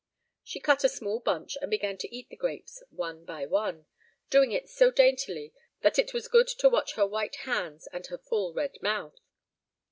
She cut a small bunch, and began to eat the grapes one by one, doing it so daintily that it was good to watch her white hands and her full red mouth.